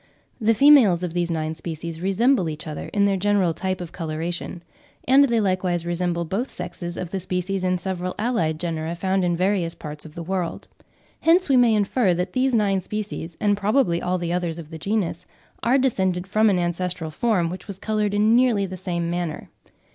The females of these nine species resemble each other in their general type of coloration; and they likewise resemble both sexes of the species in several allied genera found in various parts of the world. Hence we may infer that these nine species, and probably all the others of the genus, are descended from an ancestral form which was coloured in nearly the same manner.